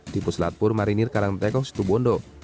di pusat latihan komando marinir karangtekok situbondo